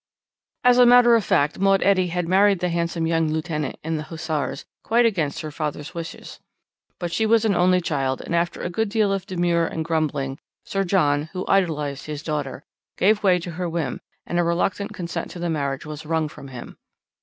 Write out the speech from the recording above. "As a matter of fact, Maud Etty had married the handsome young lieutenant in the Hussars, quite against her father's wishes. But she was an only child, and after a good deal of demur and grumbling, Sir John, who idolized his daughter, gave way to her whim, and a reluctant consent to the marriage was wrung from him.